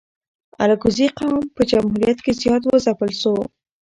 الکوزي قوم په جمهوریت کی زیات و ځپل سو